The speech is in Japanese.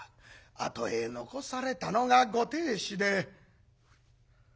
あとへ残されたのがご亭主で。